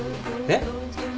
えっ！？